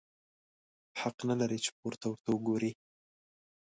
حق نه لرې چي پورته ورته وګورې!